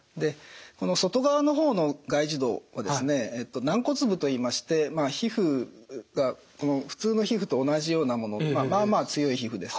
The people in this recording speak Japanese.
外側の方の外耳道は軟骨部といいまして普通の皮膚と同じようなものまあまあ強い皮膚です。